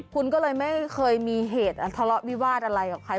คุณก็เลยไม่เคยมีเหตุทะเลาะวิวาสอะไรกับใคร